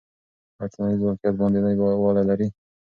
آیا ټولنیز واقعیت باندنی والی لري؟